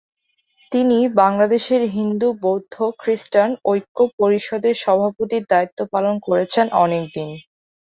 তিনি বাংলাদেশ হিন্দু-বৌদ্ধ-খ্রিস্টান ঐক্য পরিষদের সভাপতির দায়িত্ব পালন করেছেন অনেক দিন।